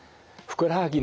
ふくらはぎ。